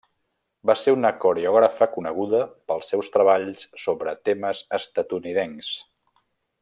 Va ser una coreògrafa coneguda pels seus treballs sobre temes estatunidencs.